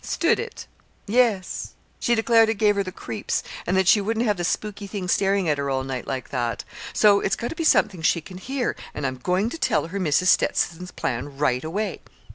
"Stood it!" "Yes. She declared it gave her the creeps, and that she wouldn't have the spooky thing staring at her all night like that. So it's got to be something she can hear, and I'm going to tell her Mrs. Stetson's plan right away."